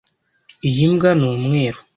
Iyi mbwa ni umweru.